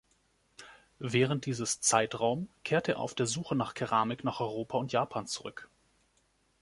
Während dieses Zeitraum kehrte er auf der Suche nach Keramik nach Europa und Japan zurück.